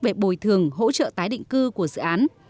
về bồi thường hỗ trợ tái định cư của dự án